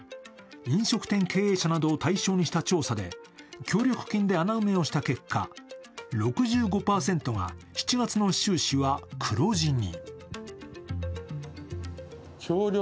飲食店経営者などを対象にした調査で協力金で穴埋めをした結果、６５％が７月の収支は黒字に。